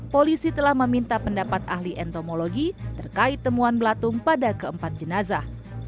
polisi telah meminta pendapat ahli entomologi terkait temuan belatung pada keempat jenazah